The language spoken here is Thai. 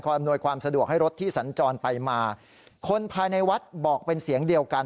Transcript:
อำนวยความสะดวกให้รถที่สัญจรไปมาคนภายในวัดบอกเป็นเสียงเดียวกัน